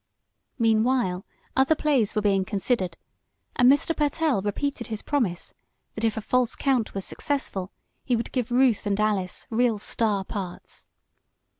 Meanwhile other plays were being considered, and Mr. Pertell repeated his promise, that if "A False Count" was successful he would give Ruth and Alice real "star" parts.